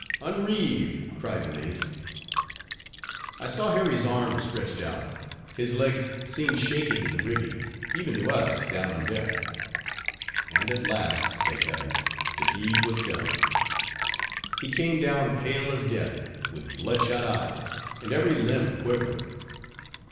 "Unreeve!" cried the mate. I saw Harry's arm stretched out—his legs seemed shaking in the rigging, even to us, down on deck; and at last, thank heaven! the deed was done. He came down pale as death, with bloodshot eyes, and every limb quivering.